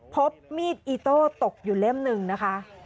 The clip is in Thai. พบมีดอีโต้ตกอยู่เล่มหนึ่งนะคะ